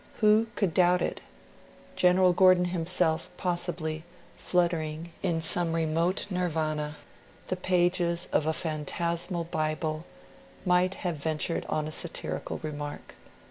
Who could doubt it? General Gordon himself, possibly, fluttering, in some remote Nirvana, the pages of a phantasmal Bible, might have ventured on a satirical remark.